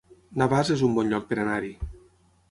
Navàs es un bon lloc per anar-hi